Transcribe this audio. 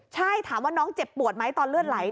ใช่ถามว่าน้องเจ็บปวดไหมตอนเลือดไหล